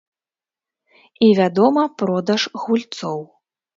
І, вядома, продаж гульцоў.